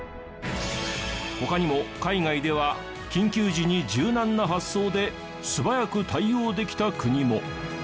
他にも海外では緊急時に柔軟な発想で素早く対応できた国も。